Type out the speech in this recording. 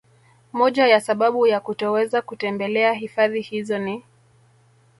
Moja ya sababu ya kutoweza kutembelea hifadhi hizo ni